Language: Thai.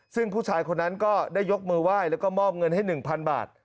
ซึ่งผู้ชายคนนั้นก็ได้ยกมือไหว้แล้วก็มอบเงินให้๑๐๐บาท